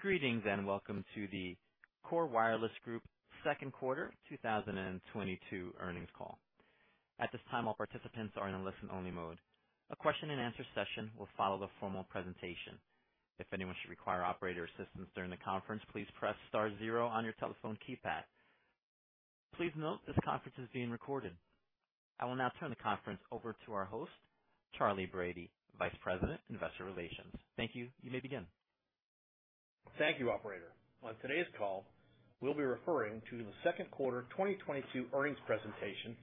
Greetings, and welcome to the KORE Group second quarter 2022 earnings call. At this time, all participants are in listen-only mode. A question-and-answer session will follow the formal presentation. If anyone should require operator assistance during the conference, please press star zero on your telephone keypad. Please note this conference is being recorded. I will now turn the conference over to our host, Charley Brady Vice President, Investor Relations. Thank you. You may begin. Thank you, operator. On today's call, we'll be referring to the second quarter 2022 earnings presentation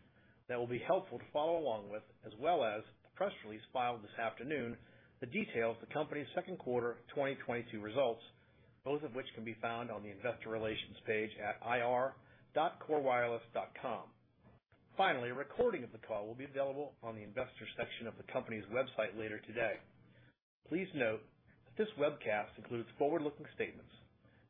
that will be helpful to follow along with, as well as the press release filed this afternoon, the details of the company's second quarter 2022 results, both of which can be found on the investor relations page at ir.korewireless.com. Finally, a recording of the call will be available on the investors section of the company's website later today. Please note that this webcast includes forward-looking statements.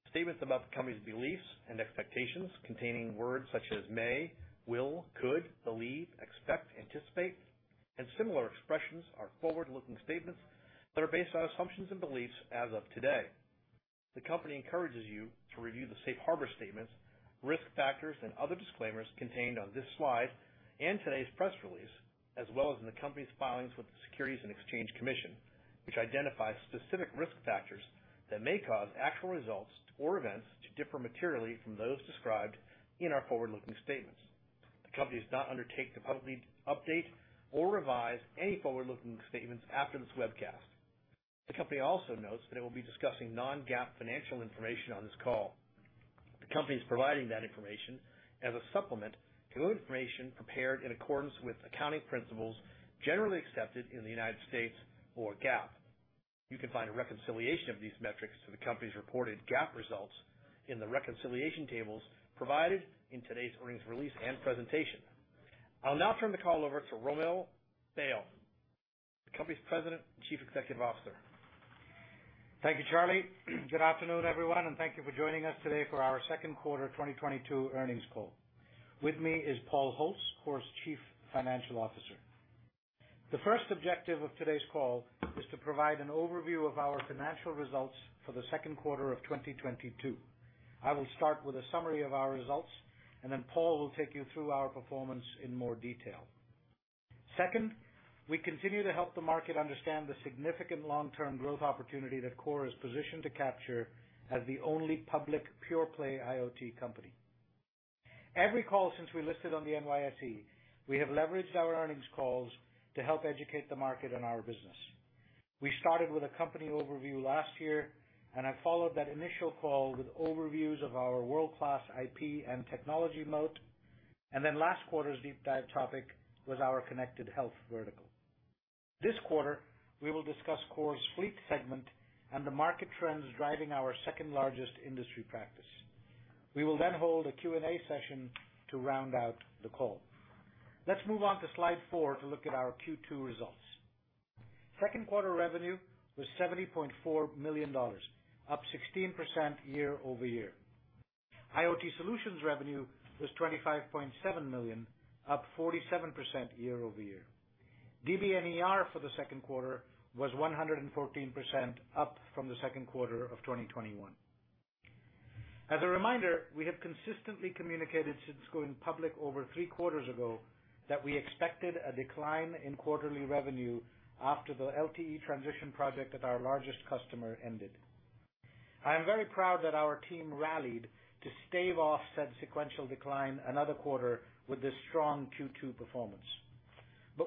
Statements about the company's beliefs and expectations containing words such as may, will, could, believe, expect, anticipate, and similar expressions are forward-looking statements that are based on assumptions and beliefs as of today. The company encourages you to review the safe harbor statements, risk factors, and other disclaimers contained on this slide and today's press release, as well as in the company's filings with the Securities and Exchange Commission, which identifies specific risk factors that may cause actual results or events to differ materially from those described in our forward-looking statements. The company does not undertake to publicly update or revise any forward-looking statements after this webcast. The company also notes that it will be discussing non-GAAP financial information on this call. The company is providing that information as a supplement to information prepared in accordance with accounting principles generally accepted in the United States or GAAP. You can find a reconciliation of these metrics to the company's reported GAAP results in the reconciliation tables provided in today's earnings release and presentation. I'll now turn the call over to Romil Bahl, the company's President and Chief Executive Officer. Thank you, Charley. Good afternoon, everyone, and thank you for joining us today for our second quarter 2022 earnings call. With me is Paul Holtz, KORE's Chief Financial Officer. The first objective of today's call is to provide an overview of our financial results for the second quarter of 2022. I will start with a summary of our results, and then Paul will take you through our performance in more detail. Second, we continue to help the market understand the significant long-term growth opportunity that KORE is positioned to capture as the only public pure play IoT company. Every call since we listed on the NYSE, we have leveraged our earnings calls to help educate the market on our business. We started with a company overview last year, and I followed that initial call with overviews of our world-class IP and technology moat. Last quarter's deep dive topic was our Connected Health vertical. This quarter, we will discuss KORE's Fleet segment and the market trends driving our second-largest industry practice. We will then hold a Q&A session to round out the call. Let's move on to slide four to look at our Q2 results. Second quarter revenue was $70.4 million, up 16% year-over-year. IoT solutions revenue was $25.7 million, up 47% year-over-year. DBNER for the second quarter was 114% up from the second quarter of 2021. As a reminder, we have consistently communicated since going public over three quarters ago that we expected a decline in quarterly revenue after the LTE transition project at our largest customer ended. I am very proud that our team rallied to stave off said sequential decline another quarter with this strong Q2 performance.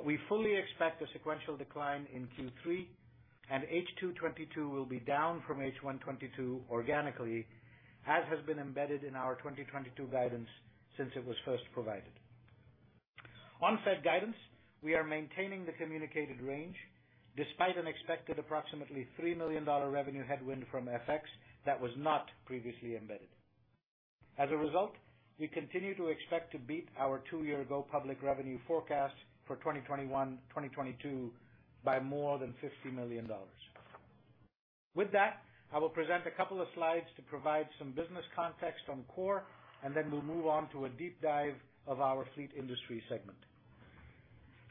We fully expect a sequential decline in Q3, and H2 2022 will be down from H1 2022 organically, as has been embedded in our 2022 guidance since it was first provided. On said guidance, we are maintaining the communicated range despite an expected approximately $3 million revenue headwind from FX that was not previously embedded. As a result, we continue to expect to beat our two-year ago public revenue forecast for 2021, 2022 by more than $50 million. With that, I will present a couple of slides to provide some business context on KORE, and then we'll move on to a deep dive of our Fleet industry segment.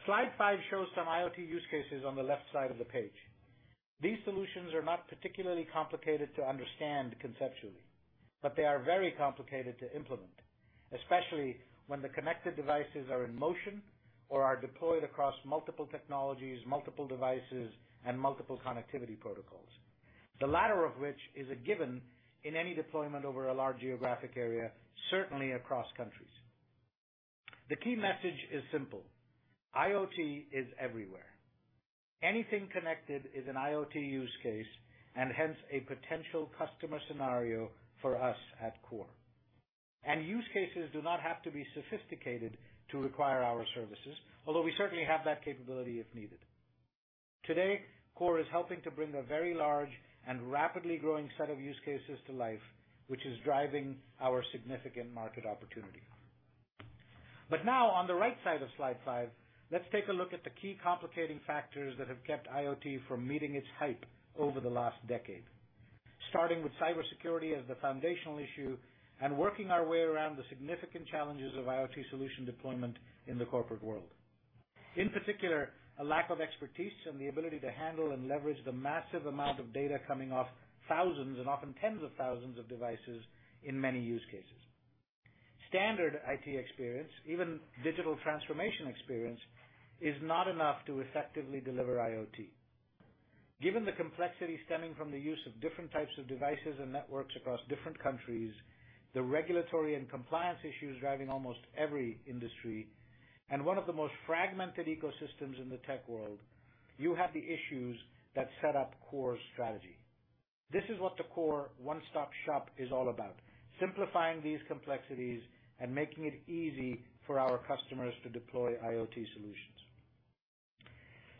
Slide 5 shows some IoT use cases on the left side of the page. These solutions are not particularly complicated to understand conceptually, but they are very complicated to implement, especially when the connected devices are in motion or are deployed across multiple technologies, multiple devices, and multiple connectivity protocols, the latter of which is a given in any deployment over a large geographic area, certainly across countries. The key message is simple: IoT is everywhere. Anything connected is an IoT use case and hence a potential customer scenario for us at KORE. Use cases do not have to be sophisticated to require our services, although we certainly have that capability if needed. Today, KORE is helping to bring a very large and rapidly growing set of use cases to life, which is driving our significant market opportunity. Now on the right side of slide five, let's take a look at the key complicating factors that have kept IoT from meeting its hype over the last decade, starting with cybersecurity as the foundational issue and working our way around the significant challenges of IoT solution deployment in the corporate world. In particular, a lack of expertise and the ability to handle and leverage the massive amount of data coming off thousands and often tens of thousands of devices in many use cases. Standard IT experience, even digital transformation experience, is not enough to effectively deliver IoT. Given the complexity stemming from the use of different types of devices and networks across different countries, the regulatory and compliance issues driving almost every industry, and one of the most fragmented ecosystems in the tech world, you have the issues that set up KORE's strategy. This is what the KORE one-stop shop is all about, simplifying these complexities and making it easy for our customers to deploy IoT solutions.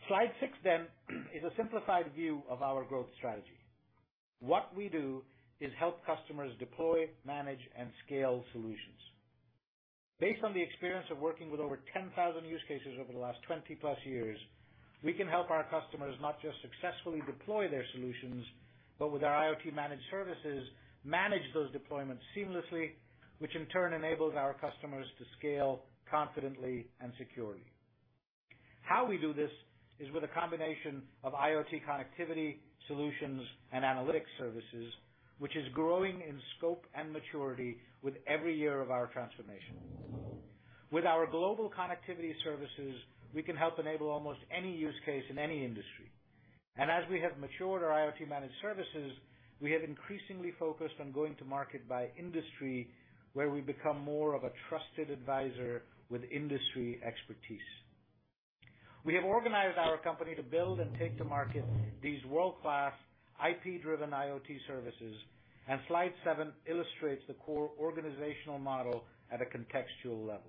Slide 6 is a simplified view of our growth strategy. What we do is help customers deploy, manage, and scale solutions. Based on the experience of working with over 10,000 use cases over the last 20+ years, we can help our customers not just successfully deploy their solutions, but with our IoT managed services, manage those deployments seamlessly, which in turn enables our customers to scale confidently and securely. How we do this is with a combination of IoT connectivity solutions and analytics services, which is growing in scope and maturity with every year of our transformation. With our global connectivity services, we can help enable almost any use case in any industry. As we have matured our IoT managed services, we have increasingly focused on going to market by industry where we become more of a trusted advisor with industry expertise. We have organized our company to build and take to market these world-class IP-driven IoT services, and slide 7 illustrates the KORE organizational model at a contextual level.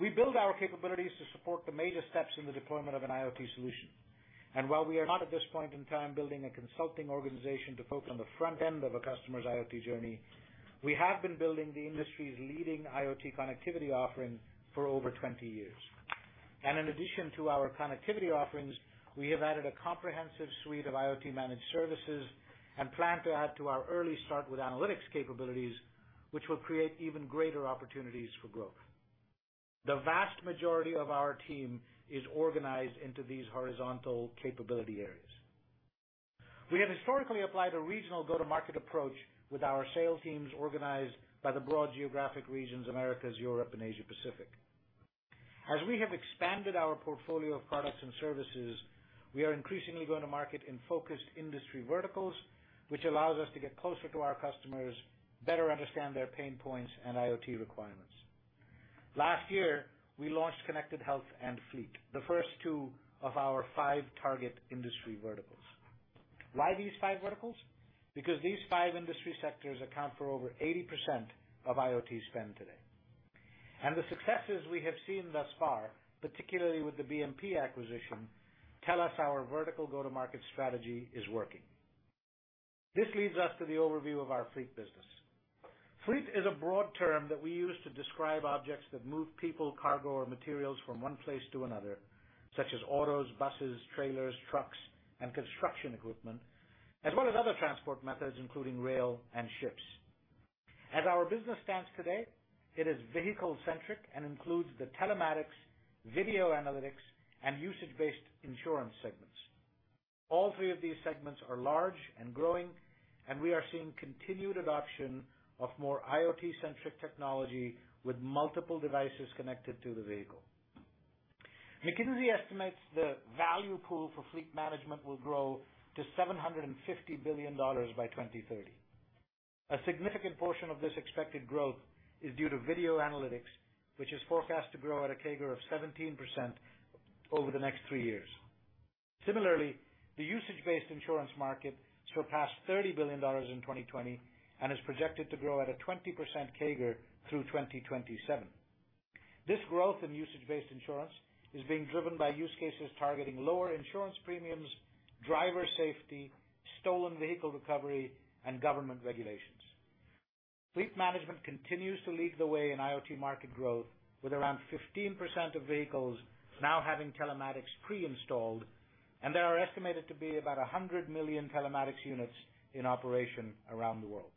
We build our capabilities to support the major steps in the deployment of an IoT solution. While we are not at this point in time building a consulting organization to focus on the front end of a customer's IoT journey, we have been building the industry's leading IoT connectivity offering for over 20 years. In addition to our connectivity offerings, we have added a comprehensive suite of IoT managed services and plan to add to our early start with analytics capabilities, which will create even greater opportunities for growth. The vast majority of our team is organized into these horizontal capability areas. We have historically applied a regional go-to-market approach with our sales teams organized by the broad geographic regions, Americas, Europe, and Asia Pacific. As we have expanded our portfolio of products and services, we are increasingly going to market in focused industry verticals, which allows us to get closer to our customers, better understand their pain points and IoT requirements. Last year, we launched Connected Health and Fleet, the first two of our five target industry verticals. Why these five verticals? Because these five industry sectors account for over 80% of IoT spend today. The successes we have seen thus far, particularly with the BMP acquisition, tell us our vertical go-to-market strategy is working. This leads us to the overview of our fleet business. Fleet is a broad term that we use to describe objects that move people, cargo, or materials from one place to another, such as autos, buses, trailers, trucks, and construction equipment, as well as other transport methods, including rail and ships. As our business stands today, it is vehicle-centric and includes the telematics, video analytics, and usage-based insurance segments. All three of these segments are large and growing, and we are seeing continued adoption of more IoT-centric technology with multiple devices connected to the vehicle. McKinsey estimates the value pool for fleet management will grow to $750 billion by 2030. A significant portion of this expected growth is due to video analytics, which is forecast to grow at a CAGR of 17% over the next three years. Similarly, the usage-based insurance market surpassed $30 billion in 2020 and is projected to grow at a 20% CAGR through 2027. This growth in usage-based insurance is being driven by use cases targeting lower insurance premiums, driver safety, stolen vehicle recovery, and government regulations. Fleet management continues to lead the way in IoT market growth, with around 15% of vehicles now having telematics pre-installed, and there are estimated to be about 100 million telematics units in operation around the world.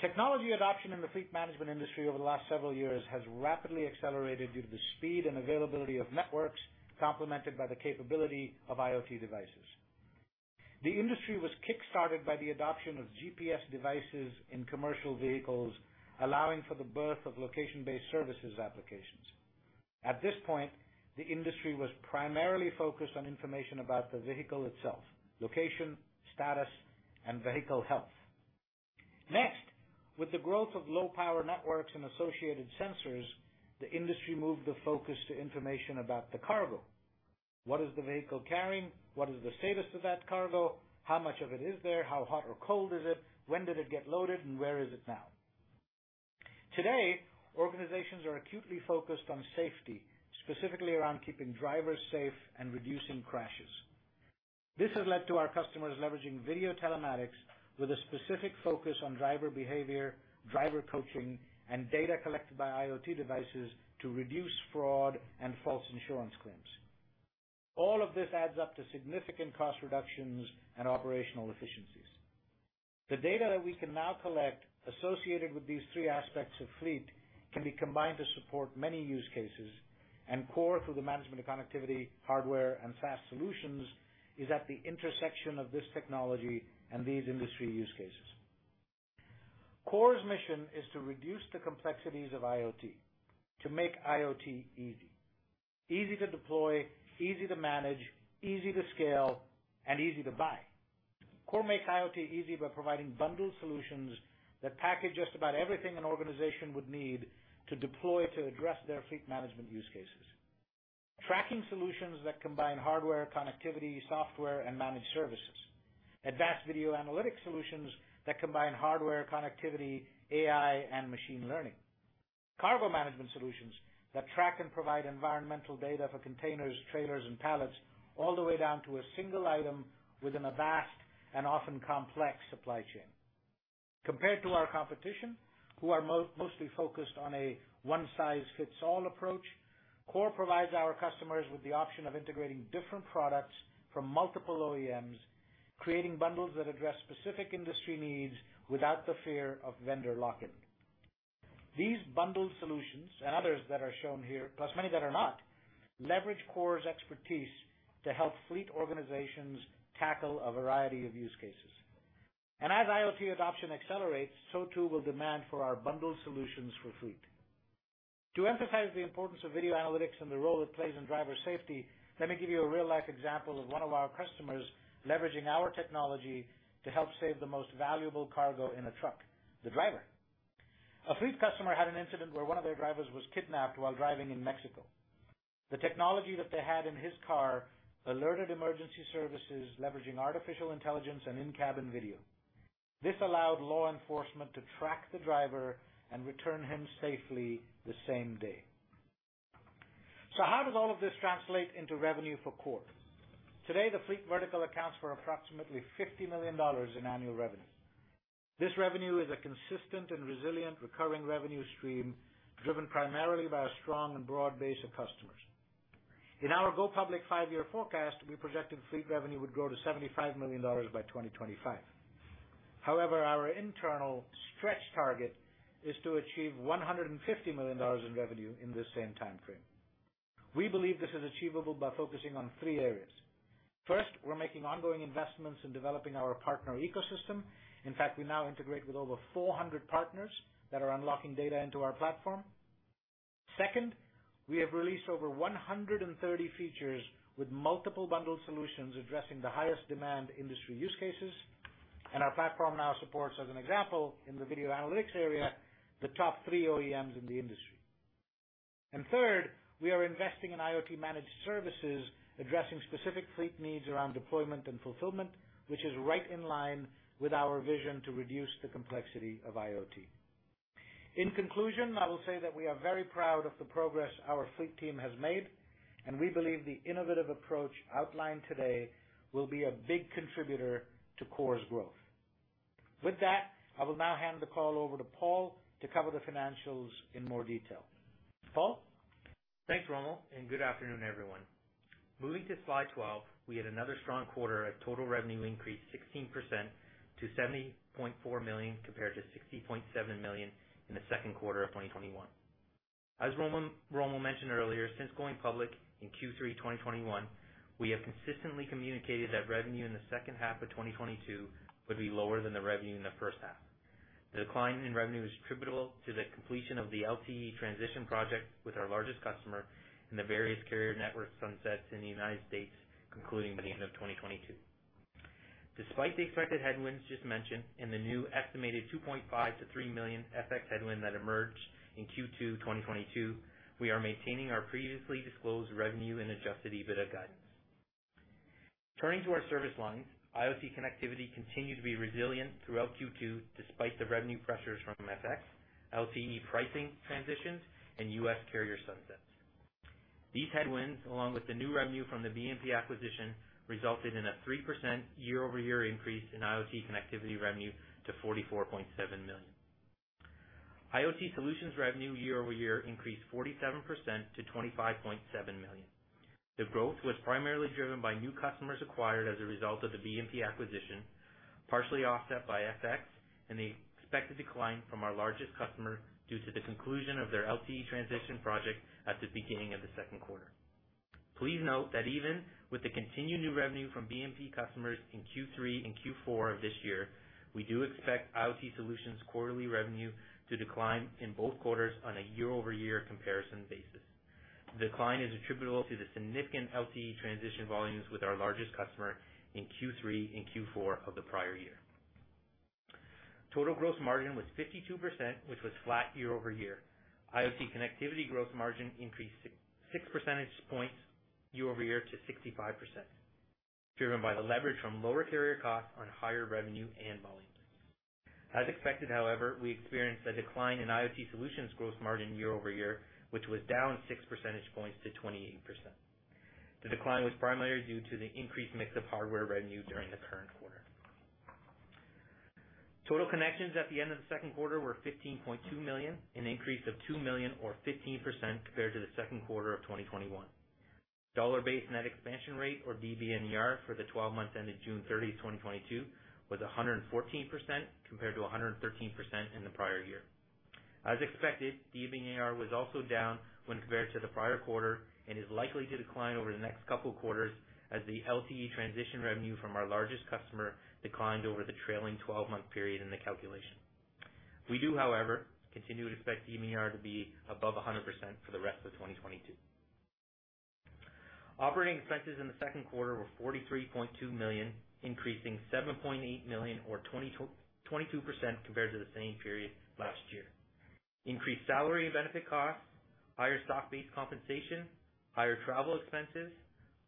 Technology adoption in the fleet management industry over the last several years has rapidly accelerated due to the speed and availability of networks, complemented by the capability of IoT devices. The industry was kickstarted by the adoption of GPS devices in commercial vehicles, allowing for the birth of location-based services applications. At this point, the industry was primarily focused on information about the vehicle itself, location, status, and vehicle health. Next, with the growth of low-power networks and associated sensors, the industry moved the focus to information about the cargo. What is the vehicle carrying? What is the status of that cargo? How much of it is there? How hot or cold is it? When did it get loaded? Where is it now? Today, organizations are acutely focused on safety, specifically around keeping drivers safe and reducing crashes. This has led to our customers leveraging video telematics with a specific focus on driver behavior, driver coaching, and data collected by IoT devices to reduce fraud and false insurance claims. All of this adds up to significant cost reductions and operational efficiencies. The data that we can now collect associated with these three aspects of Fleet can be combined to support many use cases, and KORE, through the management of connectivity, hardware, and SaaS solutions, is at the intersection of this technology and these industry use cases. KORE's mission is to reduce the complexities of IoT, to make IoT easy. Easy to deploy, easy to manage, easy to scale, and easy to buy. KORE makes IoT easy by providing bundled solutions that package just about everything an organization would need to deploy to address their Fleet management use cases. Tracking solutions that combine hardware, connectivity, software, and managed services. Advanced video analytics solutions that combine hardware, connectivity, AI, and machine learning. Cargo management solutions that track and provide environmental data for containers, trailers, and pallets all the way down to a single item within a vast and often complex supply chain. Compared to our competition, who are mostly focused on a one-size-fits-all approach, KORE provides our customers with the option of integrating different products from multiple OEMs, creating bundles that address specific industry needs without the fear of vendor lock-in. These bundled solutions, and others that are shown here, plus many that are not, leverage KORE's expertise to help fleet organizations tackle a variety of use cases. IoT adoption accelerates, so too will demand for our bundled solutions for fleet. To emphasize the importance of video analytics and the role it plays in driver safety, let me give you a real-life example of one of our customers leveraging our technology to help save the most valuable cargo in a truck, the driver. A fleet customer had an incident where one of their drivers was kidnapped while driving in Mexico. The technology that they had in his car alerted emergency services leveraging artificial intelligence and in-cabin video. This allowed law enforcement to track the driver and return him safely the same day. How does all of this translate into revenue for KORE? Today, the fleet vertical accounts for approximately $50 million in annual revenue. This revenue is a consistent and resilient recurring revenue stream driven primarily by a strong and broad base of customers. In our go public five-year forecast, we projected Fleet revenue would grow to $75 million by 2025. However, our internal stretch target is to achieve $150 million in revenue in this same time frame. We believe this is achievable by focusing on three areas. First, we're making ongoing investments in developing our partner ecosystem. In fact, we now integrate with over 400 partners that are unlocking data into our platform. Second, we have released over 130 features with multiple bundled solutions addressing the highest demand industry use cases, and our platform now supports, as an example, in the video analytics area, the top 3 OEMs in the industry. Third, we are investing in IoT managed services, addressing specific fleet needs around deployment and fulfillment, which is right in line with our vision to reduce the complexity of IoT. In conclusion, I will say that we are very proud of the progress our fleet team has made, and we believe the innovative approach outlined today will be a big contributor to KORE's growth. With that, I will now hand the call over to Paul to cover the financials in more detail. Paul? Thanks, Romil, and good afternoon, everyone. Moving to slide 12, we had another strong quarter of total revenue increase 16% to $70.4 million compared to $60.7 million in the second quarter of 2021. As Romil mentioned earlier, since going public in Q3 2021, we have consistently communicated that revenue in the second half of 2022 would be lower than the revenue in the first half. The decline in revenue is attributable to the completion of the LTE transition project with our largest customer and the various carrier network sunsets in the United States concluding by the end of 2022. Despite the expected headwinds just mentioned and the new estimated $2.5 million-$3 million FX headwind that emerged in Q2 2022, we are maintaining our previously disclosed revenue and adjusted EBITDA guidance. Turning to our service lines, IoT connectivity continued to be resilient throughout Q2 despite the revenue pressures from FX, LTE pricing transitions, and U.S. carrier sunsets. These headwinds, along with the new revenue from the BMP acquisition, resulted in a 3% year-over-year increase in IoT connectivity revenue to $44.7 million. IoT solutions revenue year-over-year increased 47% to $25.7 million. The growth was primarily driven by new customers acquired as a result of the BMP acquisition, partially offset by FX and the expected decline from our largest customer due to the conclusion of their LTE transition project at the beginning of the second quarter. Please note that even with the continued new revenue from BMP customers in Q3 and Q4 of this year, we do expect IoT solutions quarterly revenue to decline in both quarters on a year-over-year comparison basis. The decline is attributable to the significant LTE transition volumes with our largest customer in Q3 and Q4 of the prior year. Total gross margin was 52%, which was flat year-over-year. IoT connectivity gross margin increased 6% points year-over-year to 65%, driven by the leverage from lower carrier costs on higher revenue and volume. As expected, however, we experienced a decline in IoT solutions gross margin year-over-year, which was down 6% points to 28%. The decline was primarily due to the increased mix of hardware revenue during the current quarter. Total connections at the end of the second quarter were 15.2 million, an increase of 2 million or 15% compared to the second quarter of 2021. Dollar-based net expansion rate or DBNER for the twelve months ended June 30, 2022 was 114% compared to 113% in the prior year. As expected, DBNER was also down when compared to the prior quarter and is likely to decline over the next couple of quarters as the LTE transition revenue from our largest customer declined over the trailing twelve-month period in the calculation. We do, however, continue to expect DBNER to be above 100% for the rest of 2022. Operating expenses in the second quarter were $43.2 million, increasing $7.8 million or 22% compared to the same period last year. Increased salary benefit costs, higher stock-based compensation, higher travel expenses,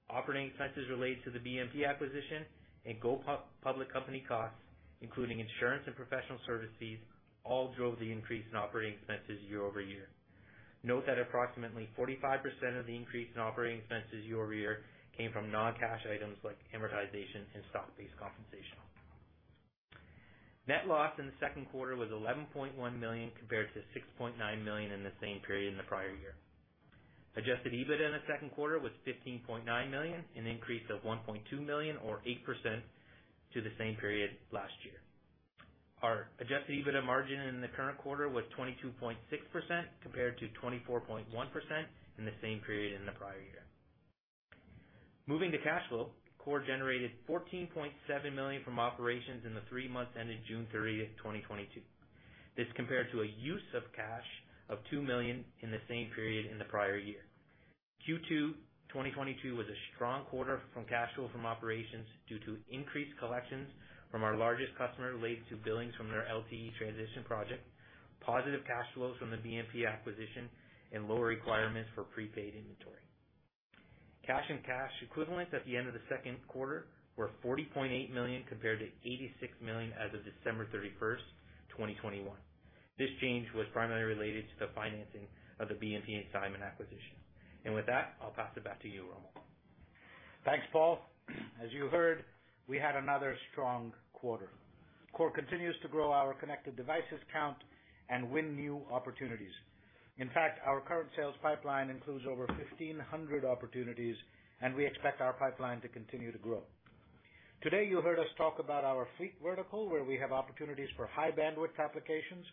operating expenses related to the BMP acquisition and go-public company costs, including insurance and professional services, all drove the increase in operating expenses year-over-year. Note that approximately 45% of the increase in operating expenses year-over-year came from non-cash items like amortization and stock-based compensation. Net loss in the second quarter was $11.1 million compared to $6.9 million in the same period in the prior year. Adjusted EBITDA in the second quarter was $15.9 million, an increase of $1.2 million or 8% to the same period last year. Our adjusted EBITDA margin in the current quarter was 22.6% compared to 24.1% in the same period in the prior year. Moving to cash flow, KORE generated $14.7 million from operations in the three months ended June 30, 2022. This compared to a use of cash of $2 million in the same period in the prior year. Q2 2022 was a strong quarter from cash flow from operations due to increased collections from our largest customer related to billings from their LTE transition project, positive cash flows from the BMP acquisition, and lower requirements for prepaid inventory. Cash and cash equivalents at the end of the second quarter were $40.8 million compared to $86 million as of December 31, 2021. This change was primarily related to the financing of the BMP and Simon acquisition. With that, I'll pass it back to you, Romil. Thanks, Paul. As you heard, we had another strong quarter. KORE continues to grow our connected devices count and win new opportunities. In fact, our current sales pipeline includes over 1,500 opportunities, and we expect our pipeline to continue to grow. Today, you heard us talk about our fleet vertical, where we have opportunities for high-bandwidth applications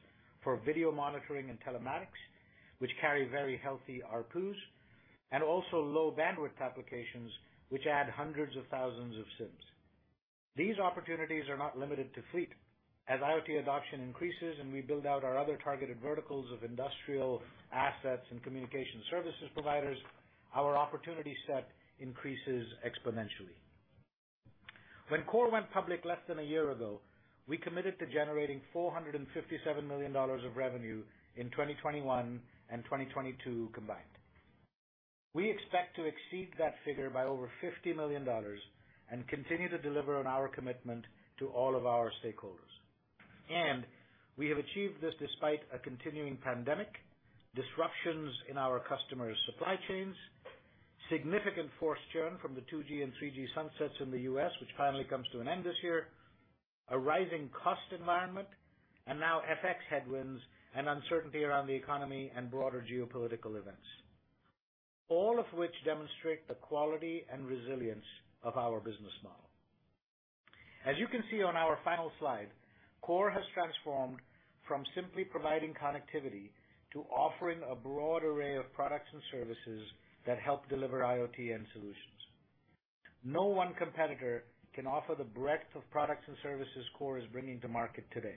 for video monitoring and telematics, which carry very healthy ARPU, and also low-bandwidth applications which add hundreds of thousands of SIMs. These opportunities are not limited to fleet. As IoT adoption increases and we build out our other targeted verticals of industrial assets and communication services providers, our opportunity set increases exponentially. When KORE went public less than a year ago, we committed to generating $457 million of revenue in 2021 and 2022 combined. We expect to exceed that figure by over $50 million and continue to deliver on our commitment to all of our stakeholders. We have achieved this despite a continuing pandemic, disruptions in our customers' supply chains, significant forced churn from the 2G and 3G sunsets in the U.S., which finally comes to an end this year, a rising cost environment, and now FX headwinds and uncertainty around the economy and broader geopolitical events, all of which demonstrate the quality and resilience of our business model. As you can see on our final slide, KORE has transformed from simply providing connectivity to offering a broad array of products and services that help deliver IoT end solutions. No one competitor can offer the breadth of products and services KORE is bringing to market today,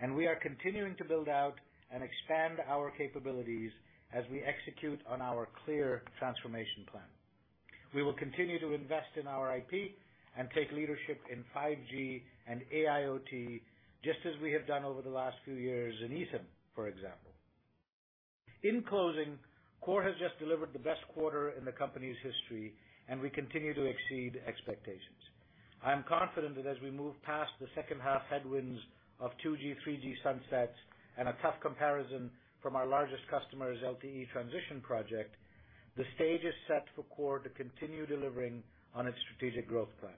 and we are continuing to build out and expand our capabilities as we execute on our clear transformation plan. We will continue to invest in our IP and take leadership in 5G and AIoT, just as we have done over the last few years in eSIM, for example. In closing, KORE has just delivered the best quarter in the company's history, and we continue to exceed expectations. I am confident that as we move past the second half headwinds of 2G, 3G sunsets and a tough comparison from our largest customer's LTE transition project, the stage is set for KORE to continue delivering on its strategic growth plan.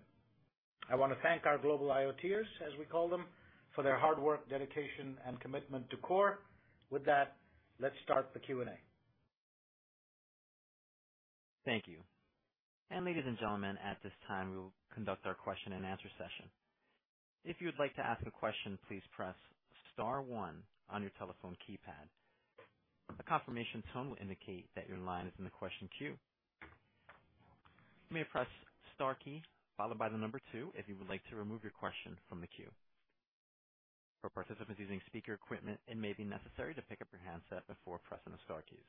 I wanna thank our global IoTers, as we call them, for their hard work, dedication, and commitment to KORE. With that, let's start the Q&A. Thank you. Ladies and gentlemen, at this time we will conduct our question and answer session. If you would like to ask a question, please press star one on your telephone keypad. A confirmation tone will indicate that your line is in the question queue. You may press star key followed by the number two if you would like to remove your question from the queue. For participants using speaker equipment, it may be necessary to pick up your handset before pressing the star keys.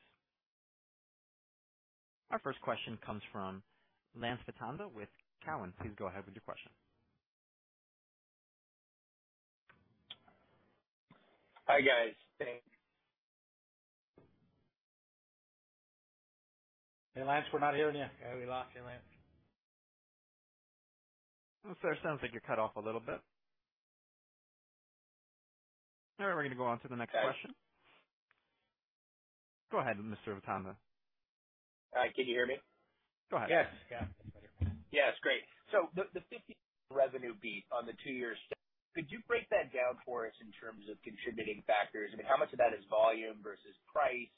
Our first question comes from Lance Vitanza with TD Cowen. Please go ahead with your question. Hi, guys. Thanks. Hey, Lance, we're not hearing you. Yeah, we lost you, Lance. Sir, sounds like you're cut off a little bit. All right, we're gonna go on to the next question. Go ahead, Mr. Vitanza. All right. Can you hear me? Go ahead. Yes. The $50 revenue beat on the two-year stack, could you break that down for us in terms of contributing factors? I mean, how much of that is volume versus price?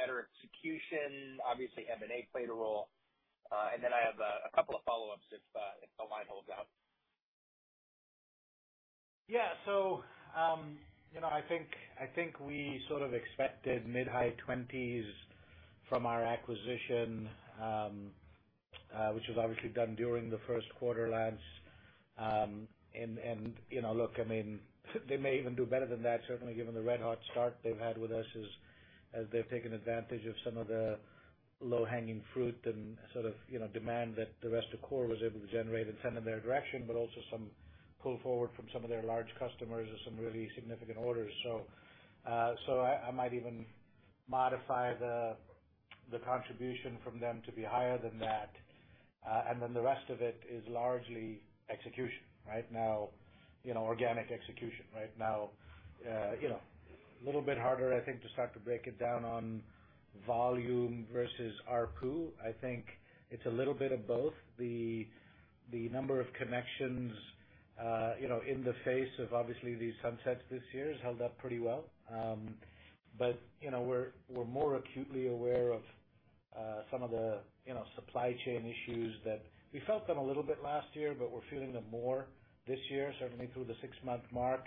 Better execution? Obviously M&A played a role. Then I have a couple of follow-ups if the line holds out. Yeah. You know, I think we sort of expected mid-high twenties from our acquisition, which was obviously done during the first quarter, Lance. You know, look, I mean, they may even do better than that, certainly given the red-hot start they've had with us as they've taken advantage of some of the low-hanging fruit and sort of, you know, demand that the rest of KORE was able to generate and send in their direction, but also some pull forward from some of their large customers and some really significant orders. I might even modify the contribution from them to be higher than that. The rest of it is largely execution right now, you know, organic execution right now. You know, a little bit harder, I think, to start to break it down on volume versus ARPU. I think it's a little bit of both. The number of connections, you know, in the face of obviously these sunsets this year has held up pretty well. You know, we're more acutely aware of some of the, you know, supply chain issues that we felt them a little bit last year, but we're feeling them more this year, certainly through the six-month mark.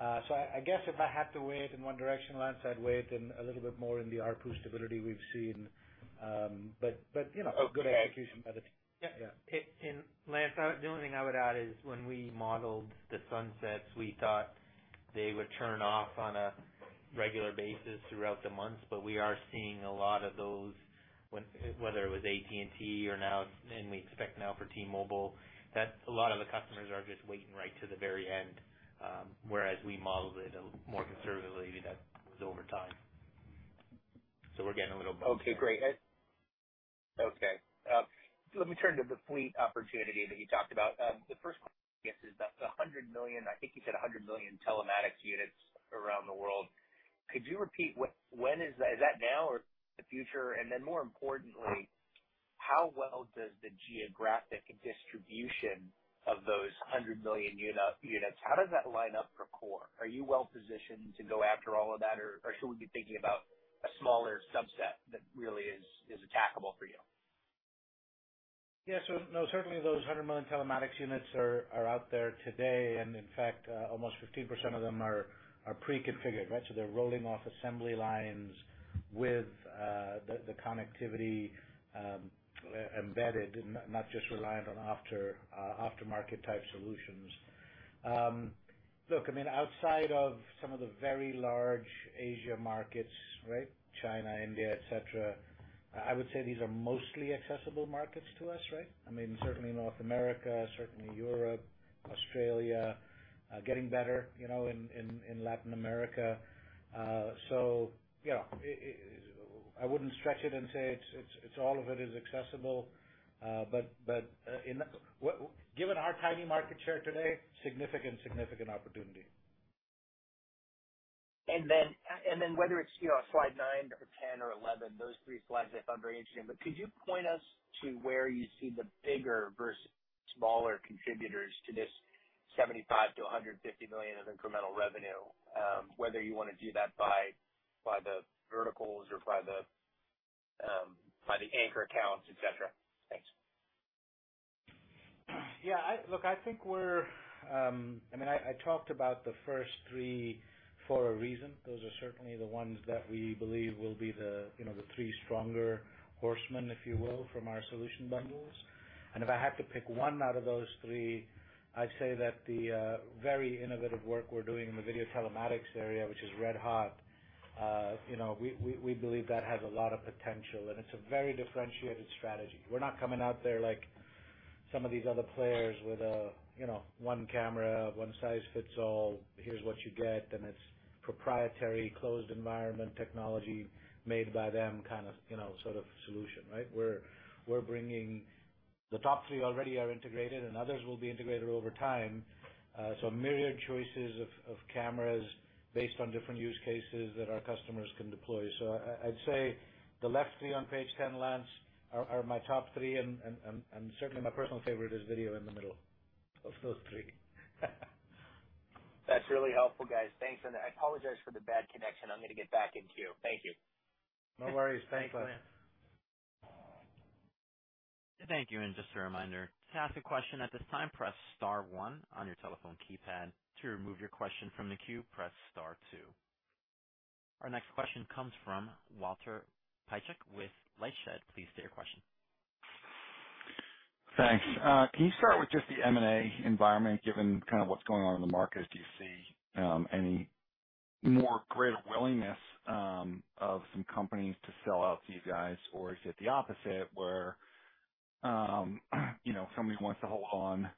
I guess if I had to weigh it in one direction, Lance, I'd weigh it in a little bit more in the ARPU stability we've seen. You know, good execution by the team. Okay. Yeah. Lance, I would. The only thing I would add is when we modeled the sunsets, we thought they would turn off on a regular basis throughout the months, but we are seeing a lot of those, when whether it was AT&T or now it's and we expect now for T-Mobile, that a lot of the customers are just waiting right to the very end, whereas we modeled it a more conservatively that was over time. We're getting a little bump there. Let me turn to the fleet opportunity that you talked about. The first question, I guess, is the 100 million, I think you said 100 million telematics units around the world. Could you repeat when is that? Is that now or the future? And then more importantly, how well does the geographic distribution of those 100 million units, how does that line up for KORE? Are you well positioned to go after all of that? Or should we be thinking about a smaller subset that really is attackable for you? Yeah. No, certainly those 100 million telematics units are out there today. In fact, almost 15% of them are pre-configured, right? They're rolling off assembly lines with the connectivity embedded and not just reliant on aftermarket type solutions. Look, I mean, outside of some of the very large Asian markets, right? China, India, et cetera, I would say these are mostly accessible markets to us, right? I mean, certainly North America, certainly Europe, Australia, getting better, you know, in Latin America. You know, I wouldn't stretch it and say it's all of it is accessible. But, you know, given our tiny market share today, significant opportunity. Whether it's, you know, slide 9 or 10 or 11, those three slides I found very interesting. Could you point us to where you see the bigger versus smaller contributors to this $75 million-$150 million of incremental revenue? Whether you wanna do that by the verticals or by the anchor accounts, et cetera. Thanks. Yeah, Look, I think we're I mean, I talked about the first three for a reason. Those are certainly the ones that we believe will be the, you know, the three stronger horsemen, if you will, from our solution bundles. If I had to pick one out of those three, I'd say that the very innovative work we're doing in the video telematics area, which is red hot, you know, we believe that has a lot of potential, and it's a very differentiated strategy. We're not coming out there like some of these other players with a, you know, one camera, one size fits all. Here's what you get, and it's proprietary closed environment technology made by them kind of, you know, sort of solution, right? We're bringing the top three already are integrated and others will be integrated over time. A myriad choices of cameras based on different use cases that our customers can deploy. I'd say the left three on page ten, Lance, are my top three and certainly my personal favorite is video in the middle of those three. That's really helpful, guys. Thanks. I apologize for the bad connection. I'm gonna get back in queue. Thank you. No worries. Thanks, Lance. Thanks, Lance. Thank you. Just a reminder, to ask a question at this time, press star one on your telephone keypad. To remove your question from the queue, press star two. Our next question comes from Walter Piecyk with LightShed Partners. Please state your question. Thanks. Can you start with just the M&A environment? Given kind of what's going on in the market, do you see any more greater willingness of some companies to sell out to you guys? Or is it the opposite where, you know, somebody wants to hold on,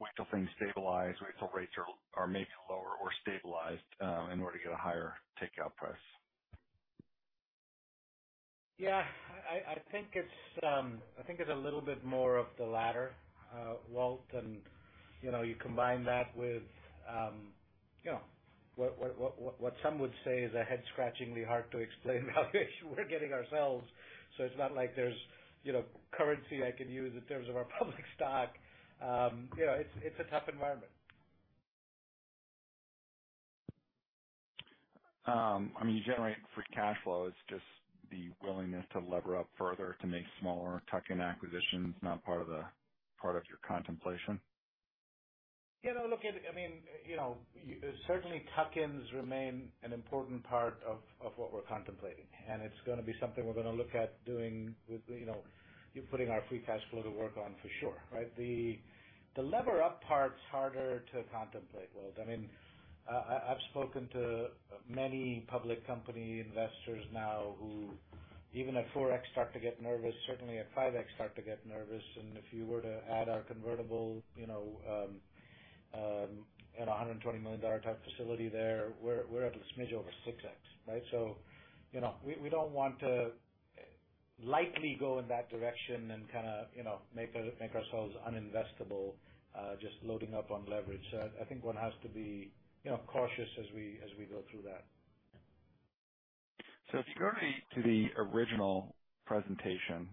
wait till things stabilize, wait till rates are maybe lower or stabilized, in order to get a higher takeout price? Yeah. I think it's a little bit more of the latter, Walt, and you know, you combine that with, you know, what some would say is a head-scratchingly hard to explain how we're getting ourselves. It's not like there's, you know, currency I can use in terms of our public stock. You know, it's a tough environment. I mean, you generate free cash flows, just the willingness to lever up further to make smaller tuck-in acquisitions is not part of your contemplation. You know, look, I mean, you know, certainly tuck-ins remain an important part of what we're contemplating, and it's gonna be something we're gonna look at doing with, you know, putting our free cash flow to work on for sure, right? The lever up part's harder to contemplate, Wilter. I mean, I've spoken to many public company investors now who even at 4x start to get nervous, certainly at 5x start to get nervous. If you were to add our convertible, you know, at a $120 million type facility there, we're at a smidge over 6x, right? You know, we don't want to lightly go in that direction and kinda, you know, make ourselves uninvestable just loading up on leverage. I think one has to be, you know, cautious as we go through that. If you go to the original presentation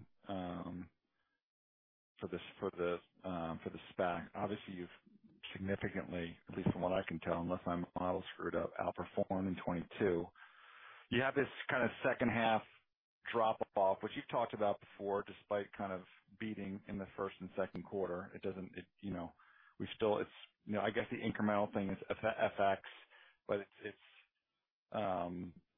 for the SPAC, obviously you've significantly, at least from what I can tell, unless my model screwed up, outperformed in 2022. You have this kinda second half drop off, which you've talked about before, despite kind of beating in the first and second quarter. It doesn't, you know, it's, you know, I guess the incremental thing is FX, but it's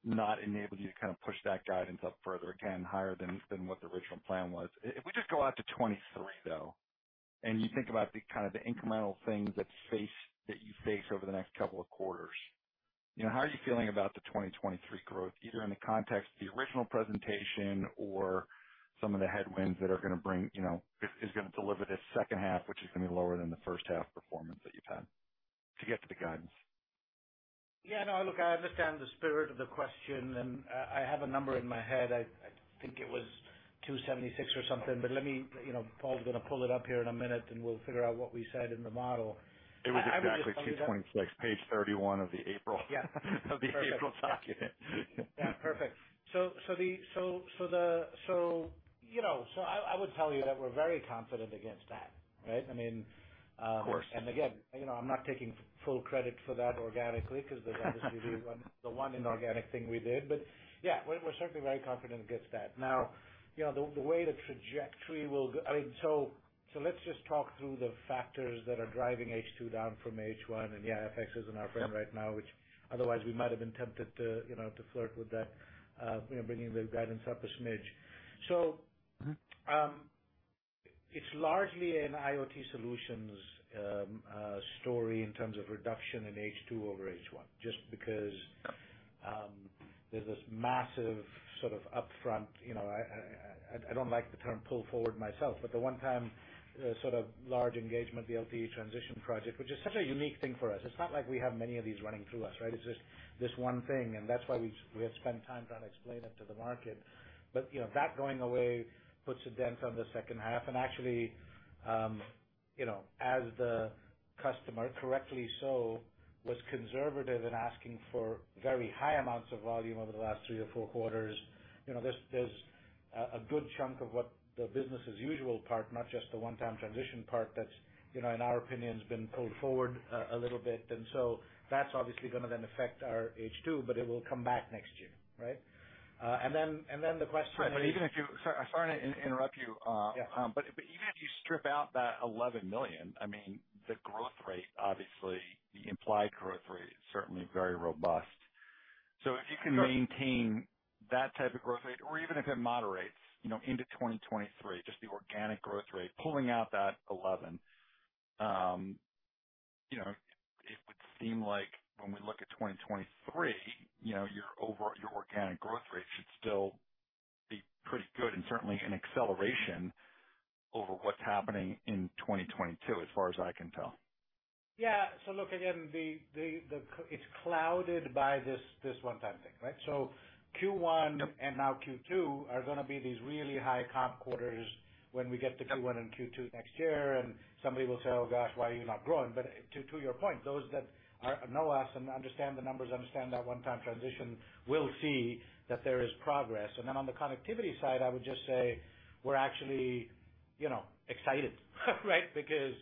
not enabled you to kind of push that guidance up further again higher than what the original plan was. If we just go out to 2023, though, and you think about the kind of the incremental things that you face over the next couple of quarters, you know, how are you feeling about the 2023 growth, either in the context of the original presentation or some of the headwinds that are gonna bring, you know, is gonna deliver this second half, which is gonna be lower than the first half performance that you've had to get to the guidance? Yeah. No, look, I understand the spirit of the question, and I have a number in my head. I think it was 276 or something, but let me, you know, Paul's gonna pull it up here in a minute, and we'll figure out what we said in the model. It was exactly 226, page 31 of the April Yeah. Of the April document. Yeah. Perfect. You know, so I would tell you that we're very confident against that, right? I mean. Of course. Again, you know, I'm not taking full credit for that organically because there's obviously the one inorganic thing we did. Yeah, we're certainly very confident against that. Now, you know, I mean, so let's just talk through the factors that are driving H2 down from H1. Yeah, FX is not our friend right now, which otherwise we might have been tempted to, you know, to flirt with that, you know, bringing the guidance up a smidge. So Mm-hmm. It's largely an IoT solutions story in terms of reduction in H2 over H1, just because there's this massive sort of upfront, you know. I don't like the term pull forward myself, but the one time sort of large engagement, the LTE transition project, which is such a unique thing for us. It's not like we have many of these running through us, right? It's just this one thing, and that's why we have spent time trying to explain it to the market. You know, that going away puts a dent on the second half. Actually, you know, as the customer correctly so was conservative in asking for very high amounts of volume over the last three or four quarters, you know, there's a good chunk of what the business as usual part, not just the one-time transition part that's, you know, in our opinion, has been pulled forward a little bit. That's obviously gonna then affect our H2, but it will come back next year, right? Then the question- Right. Sorry to interrupt you. Yeah. Even if you strip out that $11 million, I mean, the growth rate, obviously the implied growth rate is certainly very robust. If you can maintain that type of growth rate or even if it moderates, you know, into 2023, just the organic growth rate, pulling out that $11 million, you know, it would seem like when we look at 2023, you know, your organic growth rate should still be pretty good and certainly an acceleration over what's happening in 2022, as far as I can tell. Yeah. Look, again, It's clouded by this one-time thing, right? Q1 and now Q2 are gonna be these really high comp quarters when we get to Q1 and Q2 next year, and somebody will say, "Oh Gosh, why are you not growing?" To your point, those that know us and understand the numbers, understand that one-time transition will see that there is progress. On the connectivity side, I would just say we're actually, you know, excited, right? Because,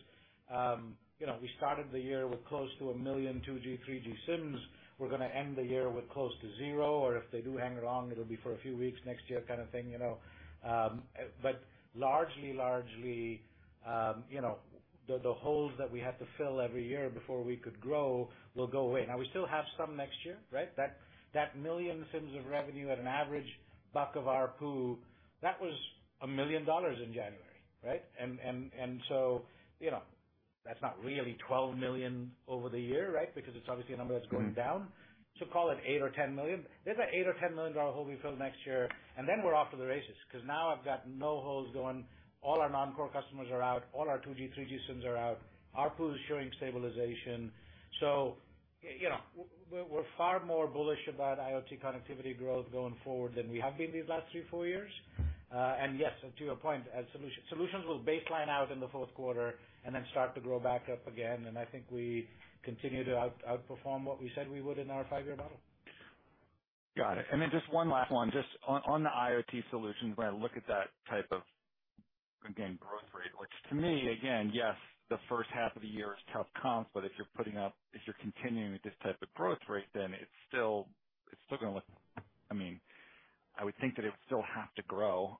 you know, we started the year with close to 1 million 2G, 3G SIMs. We're gonna end the year with close to zero, or if they do hang along, it'll be for a few weeks next year kind of thing, you know. Largely, you know, the holes that we had to fill every year before we could grow will go away. Now, we still have some next year, right? That 1 million SIMs of revenue at an average $1 ARPU, that was $1 million in January, right? And so, you know, that's not really 12 million over the year, right? Because it's obviously a number that's going down. Call it 8 million or 10 million. There's an $8 million-$10 million hole we fill next year, and then we're off to the races, 'cause now I've got no holes going. All our non-core customers are out. All our 2G, 3G SIMs are out. ARPU is showing stabilization. You know, we're far more bullish about IoT connectivity growth going forward than we have been these last three, four years. Yes, to your point, as solutions will baseline out in the fourth quarter and then start to grow back up again. I think we continue to outperform what we said we would in our five-year model. Got it. Just one last one. Just on the IoT solutions, when I look at that type of, again, growth rate, which to me again, yes, the first half of the year is tough comps, but if you're putting up, if you're continuing with this type of growth rate, then it's still gonna look. I mean, I would think that it would still have to grow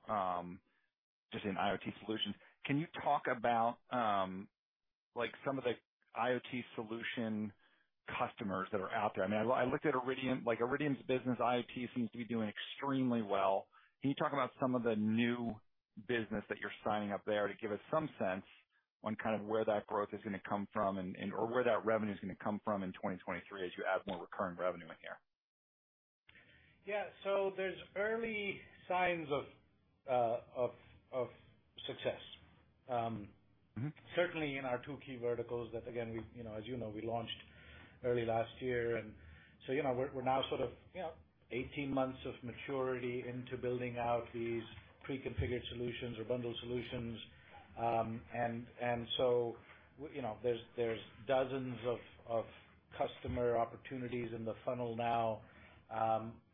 just in IoT solutions. Can you talk about like some of the IoT solution customers that are out there? I mean, I looked at Iridium. Like Iridium's business, IoT seems to be doing extremely well. Can you talk about some of the new business that you're signing up there to give us some sense on kind of where that growth is gonna come from and or where that revenue is gonna come from in 2023 as you add more recurring revenue in here? Yeah. There's early signs of success. Mm-hmm. Certainly in our two key verticals that again we you know as you know we launched early last year. You know, we're now sort of you know 18 months of maturity into building out these pre-configured solutions or bundled solutions. You know, there's dozens of customer opportunities in the funnel now.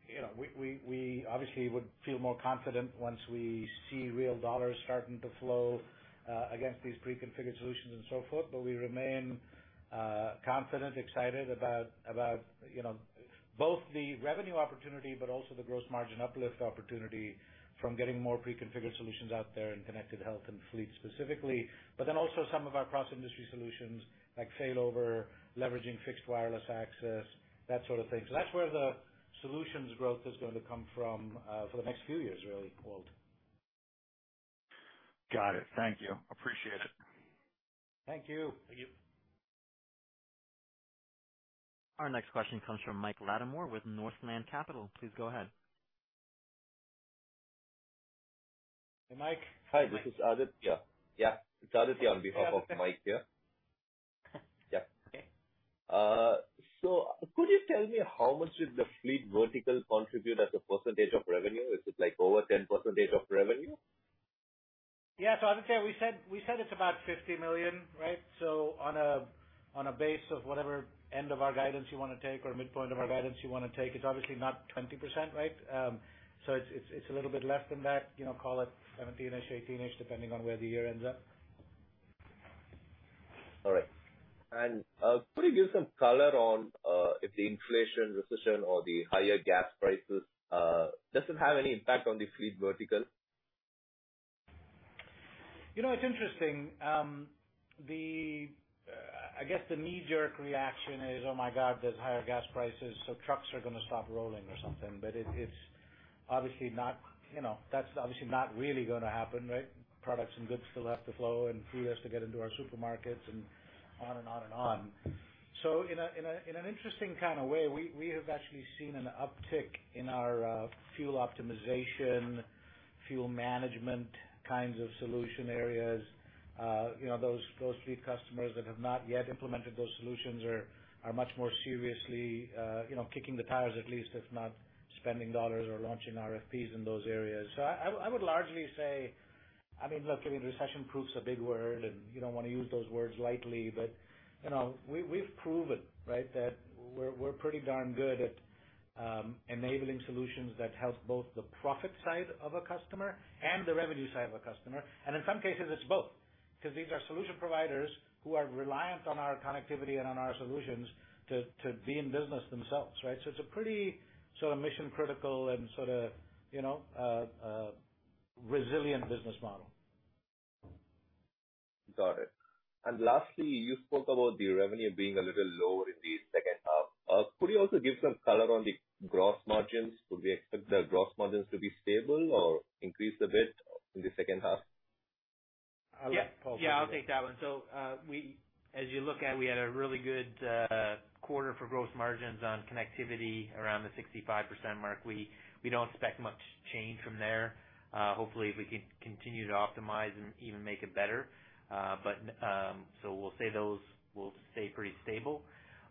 You know, we obviously would feel more confident once we see real dollars starting to flow against these pre-configured solutions and so forth. We remain confident excited about you know both the revenue opportunity but also the gross margin uplift opportunity from getting more pre-configured solutions out there in Connected Health and Fleet specifically, but then also some of our cross-industry solutions like failover, leveraging fixed wireless access, that sort of thing. That's where the solutions growth is going to come from, for the next few years, really, Walt. Got it. Thank you. Appreciate it. Thank you. Thank you. Our next question comes from Mike Latimore with Northland Capital Markets. Please go ahead. Hey, Mike. Hi, this is Aditya. Yeah, it's Aditya on behalf of Mike here. Yeah. Okay. Could you tell me, how much did the Fleet vertical contribute as a percentage of revenue? Is it like over 10% of revenue? Aditya, we said it's about $50 million, right? On a base of whatever end of our guidance you wanna take or midpoint of our guidance you wanna take, it's obviously not 20%, right? It's a little bit less than that, you know, call it 17-ish, 18-ish, depending on where the year ends up. All right. Could you give some color on if the inflation, recession, or the higher gas prices does it have any impact on the Fleet vertical? You know, it's interesting. I guess the knee-jerk reaction is, "Oh my God, there's higher gas prices, so trucks are gonna stop rolling or something." It's obviously not, you know, that's obviously not really gonna happen, right? Products and goods still have to flow and food has to get into our supermarkets and on and on and on. In an interesting kind of way, we have actually seen an uptick in our fuel optimization, fuel management kinds of solution areas. You know, those fleet customers that have not yet implemented those solutions are much more seriously, you know, kicking the tires, at least, if not spending dollars or launching RFPs in those areas. I would largely say, I mean, look, I mean, recession-proof is a big word, and you don't wanna use those words lightly. You know, we've proven, right, that we're pretty darn good at enabling solutions that help both the profit side of a customer and the revenue side of a customer. In some cases, it's both because these are solution providers who are reliant on our connectivity and on our solutions to be in business themselves, right? It's a pretty sort of mission-critical and sorta, you know, resilient business model. Got it. Lastly, you spoke about the revenue being a little lower in the second half. Could you also give some color on the gross margins? Would we expect the gross margins to be stable or increase a bit in the second half? I'll let Paul take that. Yeah, yeah, I'll take that one. We had a really good quarter for gross margins on connectivity around the 65% mark. We don't expect much change from there. Hopefully, we can continue to optimize and even make it better. But we'll say those will stay pretty stable.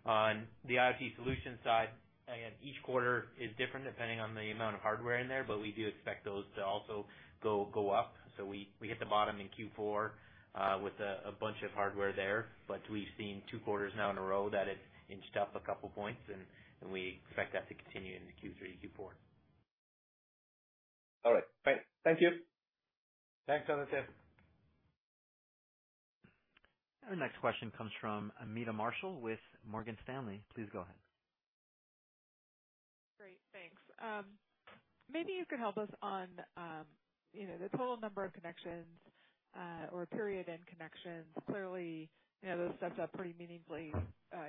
On the IoT solution side, again, each quarter is different depending on the amount of hardware in there, but we do expect those to also go up. We hit the bottom in Q4 with a bunch of hardware there. We've seen two quarters now in a row that it inched up a couple points, and we expect that to continue into Q3 and Q4. All right. Thank you. Thanks, Aditya. Our next question comes from Meta Marshall with Morgan Stanley. Please go ahead. Great. Thanks. Maybe you can help us on, you know, the total number of connections, or period-end connections. Clearly, you know, those stepped up pretty meaningfully,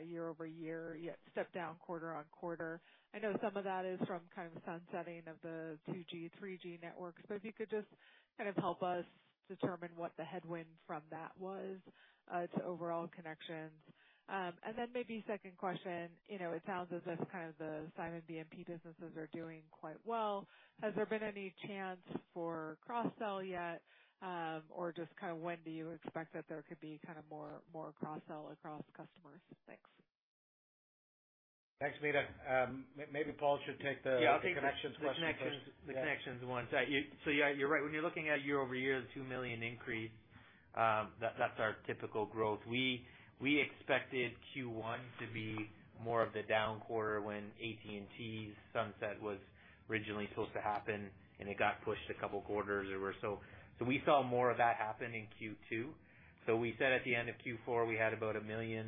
year-over-year, yet stepped down quarter-over-quarter. I know some of that is from kind of the sunsetting of the 2G, 3G networks. If you could just kind of help us determine what the headwind from that was, to overall connections. Maybe second question, you know, it sounds as if kind of the Simon BMP businesses are doing quite well. Has there been any chance for cross-sell yet? Just kind of when do you expect that there could be kind of more cross-sell across customers? Thanks. Thanks, Meta. Maybe Paul should take the Yeah, I'll take. The connections question first. The connections one. You, yeah, you're right. When you're looking at year-over-year, the 2 million increase, that's our typical growth. We expected Q1 to be more of the down quarter when AT&T's sunset was originally supposed to happen, and it got pushed a couple quarters or so. We saw more of that happen in Q2. We said at the end of Q4, we had about 1 million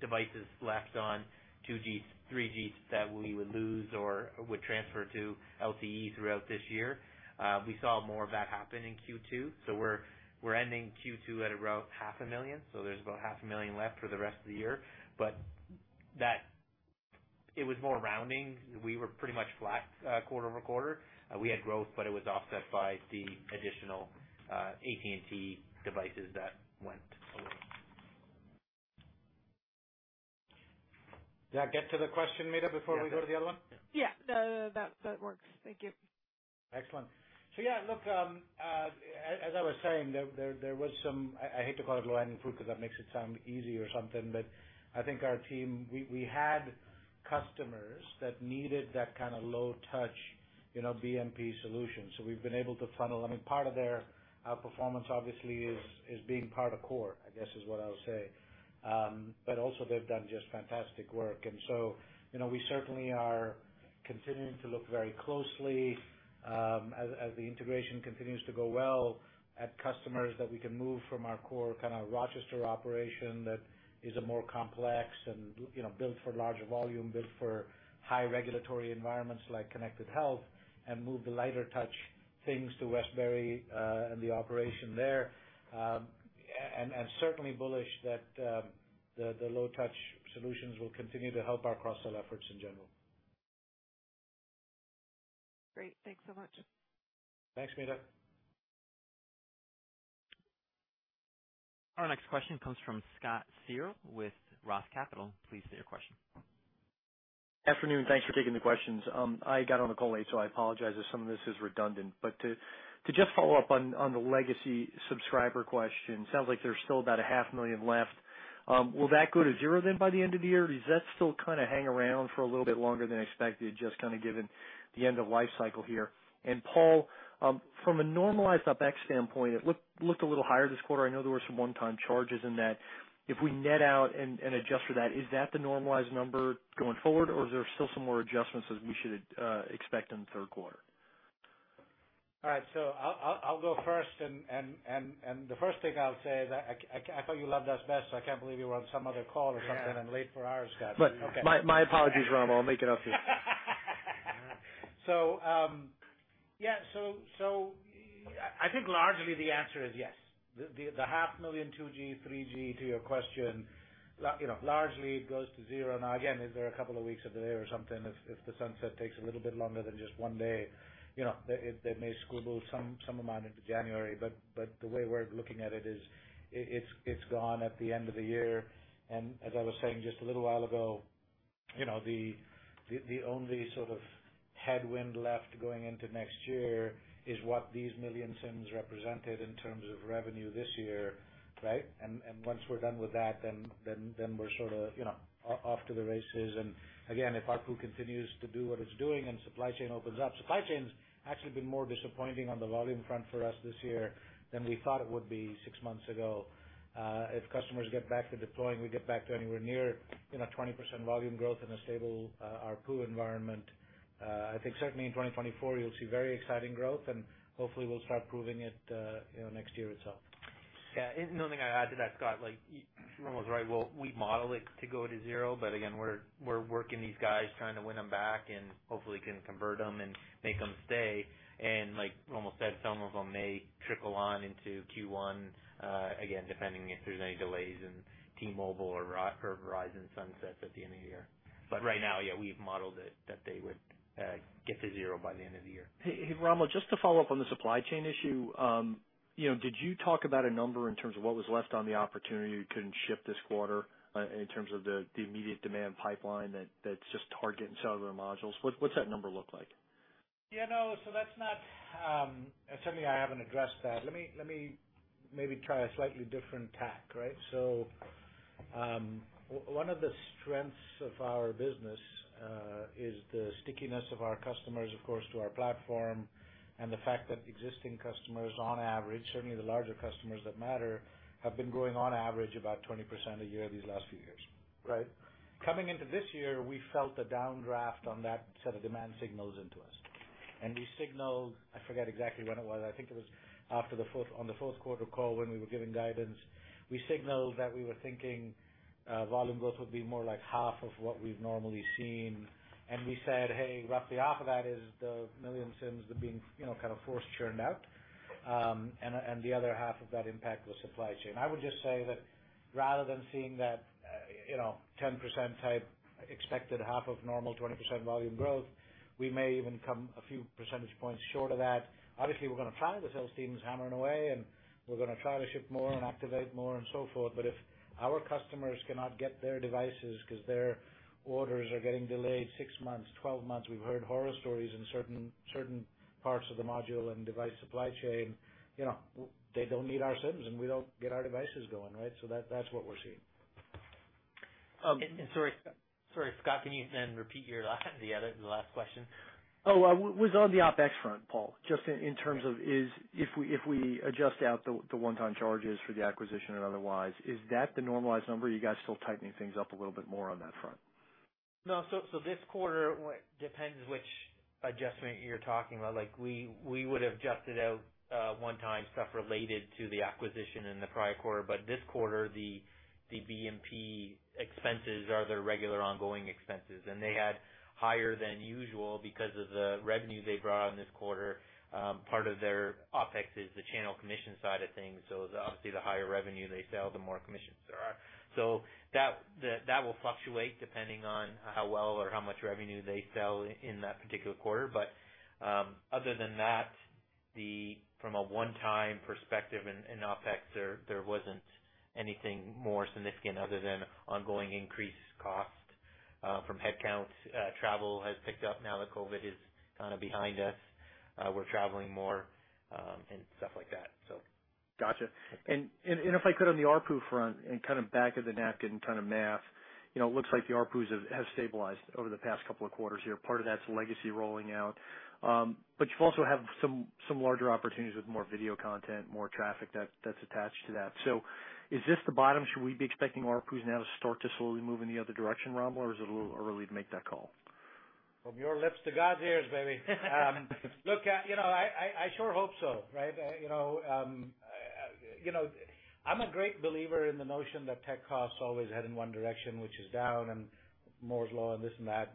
devices left on 2G, 3G that we would lose or would transfer to LTE throughout this year. We're ending Q2 at around 500,000. There's about 500,000 left for the rest of the year. But that. It was more rounding. We were pretty much flat quarter-over-quarter. We had growth, but it was offset by the additional AT&T devices that went away. Did that get to the question, Meta, before we go to the other one? Yeah. Yeah. No, no, that works. Thank you. Excellent. Yeah, look, as I was saying, there was some. I hate to call it low-hanging fruit because that makes it sound easy or something, but I think our team, we had customers that needed that kinda low touch, you know, BMP solution. We've been able to funnel. I mean, part of their outperformance obviously is being part of KORE, I guess is what I'll say. But also they've done just fantastic work. You know, we certainly are continuing to look very closely, as the integration continues to go well, add customers that we can move from our KORE kinda Rochester operation that is a more complex and, you know, built for larger volume, built for high regulatory environments like Connected Health, and move the lighter touch things to Westbury, and the operation there. Certainly bullish that the low touch solutions will continue to help our cross-sell efforts in general. Great. Thanks so much. Thanks, Meta. Our next question comes from Scott Searle with Roth Capital. Please state your question. Afternoon. Thanks for taking the questions. I got on the call late, so I apologize if some of this is redundant. To just follow up on the legacy subscriber question, sounds like there's still about 500,000 left. Will that go to zero then by the end of the year? Does that still kinda hang around for a little bit longer than expected, just kinda given the end of life cycle here? Paul, from a normalized OpEx standpoint, it looked a little higher this quarter. I know there were some one-time charges in that. If we net out and adjust for that, is that the normalized number going forward, or is there still some more adjustments as we should expect in the third quarter? All right. I'll go first and the first thing I'll say is I thought you loved us best, so I can't believe you were on some other call or something. Yeah Late for ours, Scott. My apologies, Romil Bahl. I'll make it up to you. I think largely the answer is yes. The 500,000 2G, 3G to your question, you know, largely goes to zero. Now, again, is there a couple of weeks of delay or something if the sunset takes a little bit longer than just one day? You know, they may spill over some amount into January. The way we're looking at it is it's gone at the end of the year. As I was saying just a little while ago, you know, the only sort of headwind left going into next year is what these 1 million SIMs represented in terms of revenue this year, right? Once we're done with that, then we're sorta, you know, off to the races. Again, if ARPU continues to do what it's doing and supply chain opens up. Supply chain's actually been more disappointing on the volume front for us this year than we thought it would be six months ago. If customers get back to deploying, we get back to anywhere near, you know, 20% volume growth in a stable, ARPU environment, I think certainly in 2024, you'll see very exciting growth, and hopefully we'll start proving it, you know, next year or so. Yeah. Another thing I add to that, Scott, like Romil's right. We model it to go to zero, but again, we're working these guys trying to win them back and hopefully can convert them and make them stay. Like Romil said, some of them may trickle on into Q1, again, depending if there's any delays in T-Mobile or Verizon sunsets at the end of the year. Right now, yeah, we've modeled it that they would get to zero by the end of the year. Hey, hey, Romil Bahl, just to follow up on the supply chain issue, you know, did you talk about a number in terms of what was left on the opportunity you couldn't ship this quarter in terms of the immediate demand pipeline that's just hard getting cellular modules? What's that number look like? Yeah, no, that's not. Certainly I haven't addressed that. Let me maybe try a slightly different tack, right? One of the strengths of our business is the stickiness of our customers, of course, to our platform, and the fact that existing customers, on average, certainly the larger customers that matter, have been growing on average about 20% a year these last few years, right? Coming into this year, we felt a downdraft on that set of demand signals into us. We signaled, I forget exactly when it was. I think it was after the fourth quarter call when we were giving guidance. We signaled that we were thinking, volume growth would be more like half of what we've normally seen. We said, "Hey, roughly half of that is the 1 million SIMs that are being, you know, kinda force churned out." The other half of that impact was supply chain. I would just say that rather than seeing that 10% type expected half of normal 20% volume growth, we may even come a few percentage points short of that. Obviously, we're gonna try. The sales team is hammering away, and we're gonna try to ship more and activate more and so forth. But if our customers cannot get their devices because their orders are getting delayed 6 months, 12 months, we've heard horror stories in certain parts of the module and device supply chain, you know, they don't need our SIMs, and we don't get our devices going, right? That's what we're seeing. Sorry, Scott, can you then repeat your last question? Was on the OpEx front, Paul, just in terms of if we adjust out the one-time charges for the acquisition and otherwise, is that the normalized number or you guys still tightening things up a little bit more on that front? No This quarter, what depends which adjustment you're talking about. Like, we would have adjusted out one-time stuff related to the acquisition in the prior quarter. This quarter, the BMP expenses are their regular ongoing expenses, and they had higher than usual because of the revenue they brought on this quarter. Part of their OpEx is the channel commission side of things. Obviously, the higher revenue they sell, the more commissions there are. That will fluctuate depending on how well or how much revenue they sell in that particular quarter. Other than that, from a one-time perspective in OpEx, there wasn't anything more significant other than ongoing increased cost from headcounts. Travel has picked up now that COVID is kinda behind us. We're traveling more, and stuff like that. Gotcha. If I could, on the ARPU front and kind of back of the napkin kind of math, you know, it looks like the ARPUs have stabilized over the past couple of quarters here. Part of that's legacy rolling out. You also have some larger opportunities with more video content, more traffic that's attached to that. Is this the bottom? Should we be expecting ARPUs now to start to slowly move in the other direction, Romil Bahl, or is it a little early to make that call? From your lips to God's ears, baby. Look, you know, I sure hope so, right? You know, you know, I'm a great believer in the notion that tech costs always head in one direction, which is down, and Moore's Law and this and that.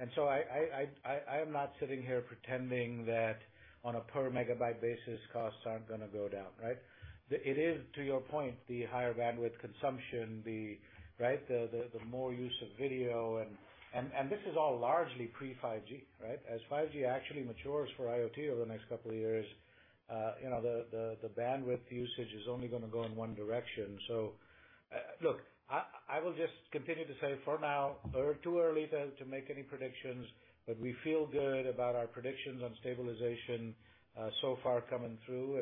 I am not sitting here pretending that on a per megabyte basis, costs aren't gonna go down, right? It is, to your point, the higher bandwidth consumption, right, the more use of video and this is all largely pre 5G, right? As 5G actually matures for IoT over the next couple of years, you know, the bandwidth usage is only gonna go in one direction. Look, I will just continue to say for now, we're too early to make any predictions, but we feel good about our predictions on stabilization so far coming through.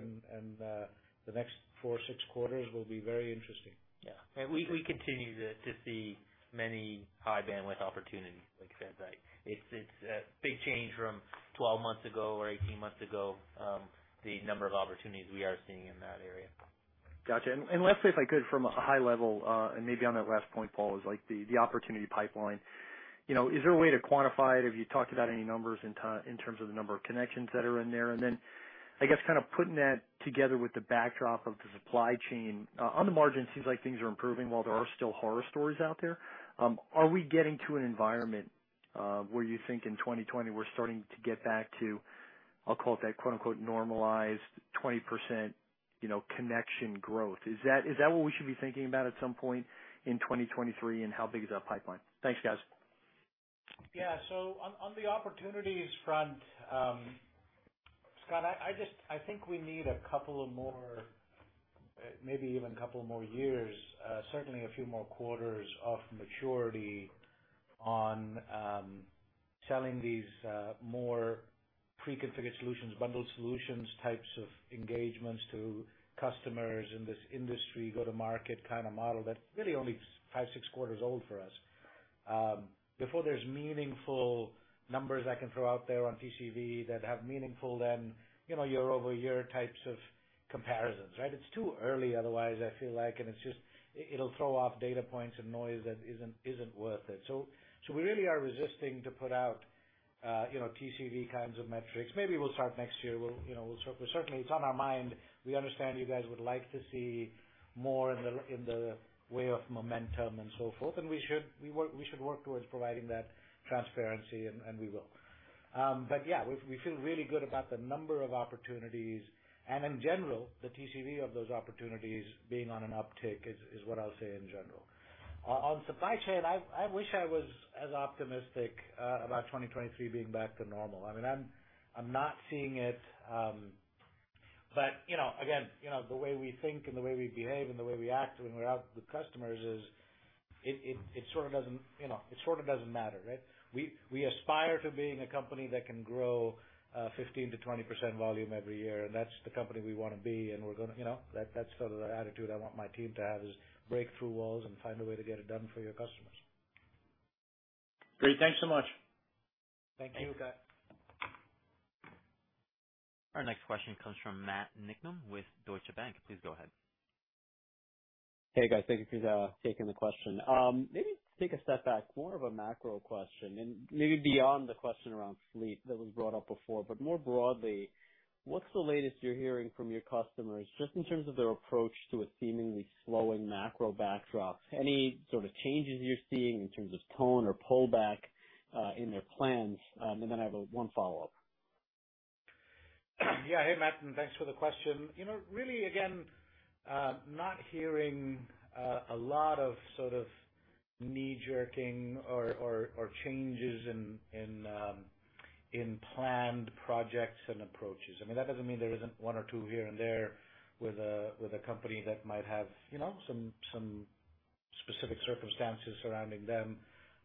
The next 4-6 quarters will be very interesting. Yeah. We continue to see many high bandwidth opportunities, like you said, right? It's a big change from 12 months ago or 18 months ago, the number of opportunities we are seeing in that area. Gotcha. Lastly, if I could, from a high level, and maybe on that last point, Paul, is like the opportunity pipeline. You know, is there a way to quantify it? Have you talked about any numbers in terms of the number of connections that are in there? Then, I guess, kinda putting that together with the backdrop of the supply chain, on the margin, seems like things are improving while there are still horror stories out there. Are we getting to an environment where you think in 2020 we're starting to get back to, I'll call it that quote unquote, normalized 20%, you know, connection growth? Is that what we should be thinking about at some point in 2023, and how big is that pipeline? Thanks, guys. Yeah. On the opportunities front, Scott, I just think we need a couple more, maybe even a couple more years, certainly a few more quarters of maturity on selling these more pre-configured solutions, bundled solutions, types of engagements to customers in this industry, go-to-market kinda model that's really only 5, 6 quarters old for us. Before there's meaningful numbers I can throw out there on TCV that have meaningful then, you know, year-over-year types of comparisons, right? It's too early, otherwise, I feel like, and it's just it'll throw off data points and noise that isn't worth it. So we really are resisting to put out, you know, TCV kinds of metrics. Maybe we'll start next year. We'll, you know, certainly it's on our mind. We understand you guys would like to see more in the way of momentum and so forth, and we should work towards providing that transparency, and we will. But yeah, we feel really good about the number of opportunities, and in general, the TCV of those opportunities being on an uptick is what I'll say in general. On supply chain, I wish I was as optimistic about 2023 being back to normal. I mean, I'm not seeing it, but you know, again, you know, the way we think and the way we behave and the way we act when we're out with customers is it sort of doesn't matter, right? We aspire to being a company that can grow 15%-20% volume every year, and that's the company we wanna be, and we're gonna, you know. That's sort of the attitude I want my team to have is break through walls and find a way to get it done for your customers. Great. Thanks so much. Thank you. Thanks. You bet. Our next question comes from Matt Niknam with Deutsche Bank. Please go ahead. Hey, guys. Thank you for taking the question. Maybe take a step back, more of a macro question, and maybe beyond the question around fleet that was brought up before, but more broadly, what's the latest you're hearing from your customers just in terms of their approach to a seemingly slowing macro backdrop? Any sort of changes you're seeing in terms of tone or pullback in their plans? I have a one follow-up. Yeah. Hey, Matt, and thanks for the question. You know, really, again, not hearing a lot of sort of knee-jerking or changes in planned projects and approaches. I mean, that doesn't mean there isn't one or two here and there with a company that might have, you know, some specific circumstances surrounding them,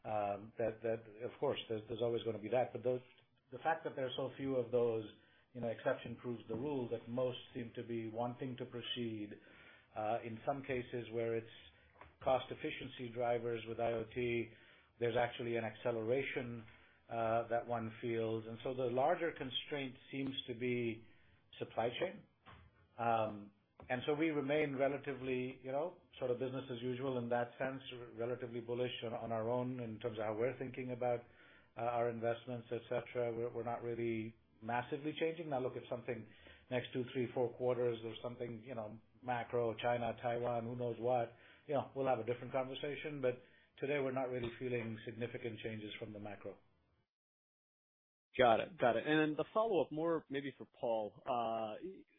that of course there's always gonna be that. But those, the fact that there are so few of those, you know, exception proves the rule that most seem to be wanting to proceed, in some cases where it's cost efficiency drivers with IoT, there's actually an acceleration, that one feels. So the larger constraint seems to be supply chain. We remain relatively, you know, sort of business as usual in that sense, relatively bullish on our own in terms of how we're thinking about our investments, et cetera. We're not really massively changing. Now, look, if something next 2, 3, 4 quarters or something, you know, macro, China, Taiwan, who knows what, you know, we'll have a different conversation, but today we're not really feeling significant changes from the macro. Got it. The follow-up, more maybe for Paul.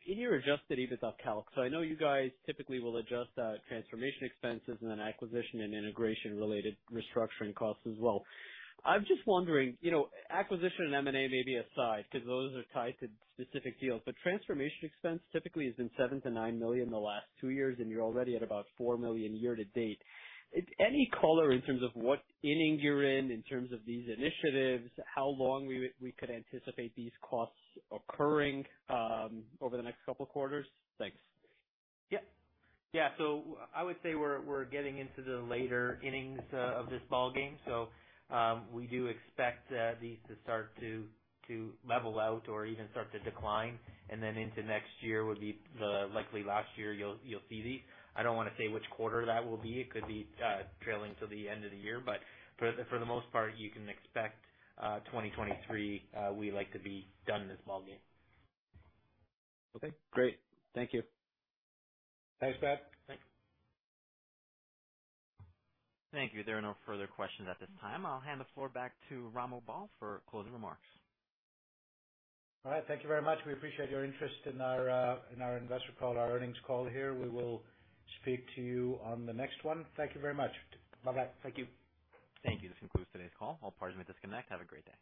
In your Adjusted EBITDA calc, so I know you guys typically will adjust transformation expenses and then acquisition and integration-related restructuring costs as well. I'm just wondering, you know, acquisition and M&A maybe aside because those are tied to specific deals, but transformation expense typically has been $7 million-$9 million the last two years, and you're already at about $4 million year to date. Any color in terms of what inning you're in in terms of these initiatives, how long we could anticipate these costs occurring over the next couple quarters? Thanks. Yeah. Yeah. I would say we're getting into the later innings of this ballgame. We do expect these to start to level out or even start to decline, and then into next year would be the likely last year you'll see these. I don't wanna say which quarter that will be. It could be trailing to the end of the year, but for the most part, you can expect 2023 we like to be done in this ballgame. Okay, great. Thank you. Thanks, Matt Niknam. Thanks. Thank you. There are no further questions at this time. I'll hand the floor back to Romil Bahl for closing remarks. All right. Thank you very much. We appreciate your interest in our investor call, our earnings call here. We will speak to you on the next one. Thank you very much. Bye-bye. Thank you. Thank you. This concludes today's call. All parties may disconnect. Have a great day.